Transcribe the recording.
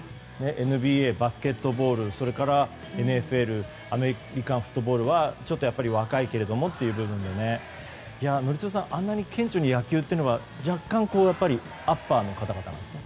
ＮＢＡ、バスケットボールそれからＮＦＬアメリカンフットボールはちょっと若いけれどもという部分で宜嗣さん、あんなに顕著に野球というのが若干アッパーの方々なんですね。